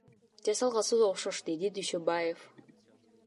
Жасалгасы окшош, — деди Дүйшөбаев.